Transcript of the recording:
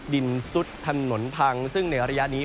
ซุดถนนพังซึ่งในระยะนี้